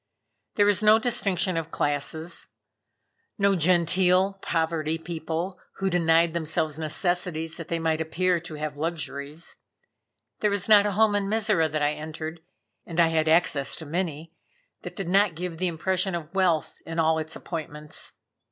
There was no distinction of classes; no genteel poverty people, who denied themselves necessities that they might appear to have luxuries. There was not a home in Mizora that I entered and I had access to many that did not give the impression of wealth in all its appointments.